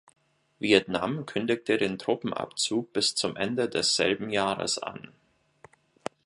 Vietnam kündigte den Truppenabzug bis zum Ende desselben Jahres an.